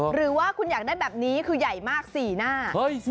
หรือว่าคุณอยากได้แบบนี้คือใหญ่มาก๔หน้า